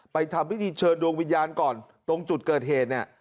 ทำพิธีเชิญดวงวิญญาณก่อนตรงจุดเกิดเหตุเนี่ย